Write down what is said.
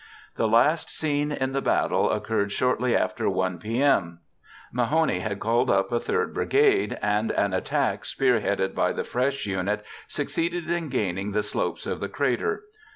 The last scene in the battle occurred shortly after 1 p.m. Mahone had called up a third brigade, and an attack spearheaded by the fresh unit succeeded in gaining the slopes of the crater.